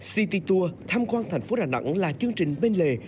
city tour tham quan thành phố đà nẵng là chương trình bên lề